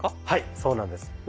はいそうなんです。